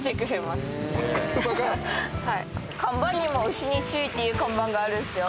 看板にも牛に注意っていう看板があるんですよ。